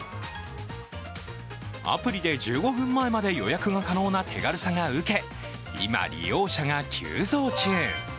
アプリで１５分前まで、予約が可能な手軽さがうけ、今、利用者が急増中。